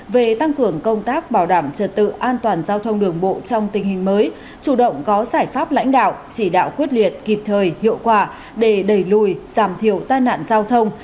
về tăng cường công tác bảo đảm trật tự an toàn giao thông đường bộ trong tình hình mới chủ động có giải pháp lãnh đạo chỉ đạo quyết liệt kịp thời hiệu quả để đẩy lùi giảm thiểu tai nạn giao thông